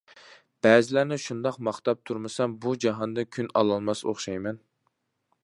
بەزىلەرنى شۇنداق ماختاپ تۇرمىسام، بۇ جاھاندا كۈن ئالالماس ئوخشايمەن.